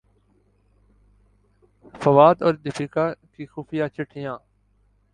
فواد اور دپیکا کی خفیہ چھٹیاں